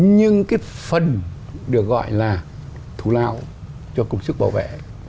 nhưng cái phần được gọi là thủ lao cho cục sức bảo vệ